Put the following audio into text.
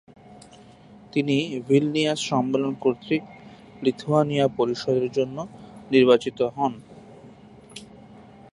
তিনি ভিলনিয়াস সম্মেলন কর্তৃক লিথুয়ানিয়া পরিষদের জন্য নির্বাচিত হন।